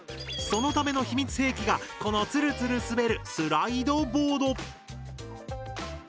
そのための秘密兵器がこのつるつる滑るスライドボード。